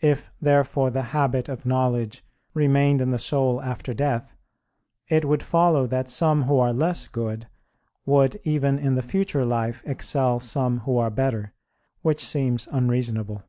If, therefore, the habit of knowledge remained in the soul after death, it would follow that some who are less good would, even in the future life, excel some who are better; which seems unreasonable.